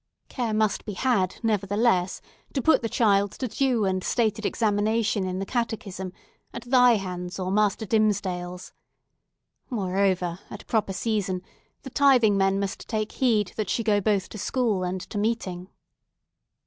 Care must be had nevertheless, to put the child to due and stated examination in the catechism, at thy hands or Master Dimmesdale's. Moreover, at a proper season, the tithing men must take heed that she go both to school and to meeting."